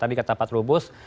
tadi kata pak trubus